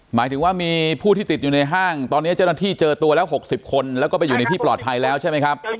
หมายถึงว่ามีผู้ที่ติดอยู่ในห้างตอนนี้เจ้าหน้าที่เจอตัวแล้ว๖๐คนแล้วก็ไปอยู่ในที่ปลอดภัยแล้วใช่ไหมครับ